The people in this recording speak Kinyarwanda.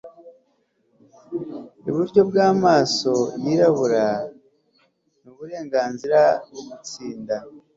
iburyo bw'amaso yirabura, n'uburenganzira bwo gutsinda